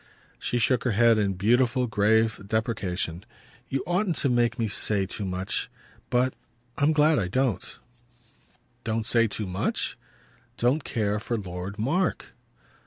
She shook her head in beautiful grave deprecation. "You oughtn't to make me say too much. But I'm glad I don't." "Don't say too much?" "Don't care for Lord Mark."